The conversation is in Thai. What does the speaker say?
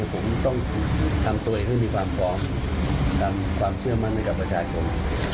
ผมต้องทำตัวเองให้มีความพร้อมทำความเชื่อมั่นให้กับประชาชน